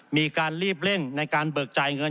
มีการรีบเร่งในการเบิกจ่ายเงิน